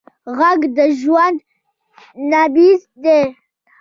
غږ د ژوند نبض دی